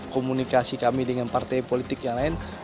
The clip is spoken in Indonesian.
komunikasi kami dengan partai politik yang lain